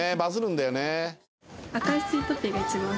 『赤いスイートピー』が一番好きです。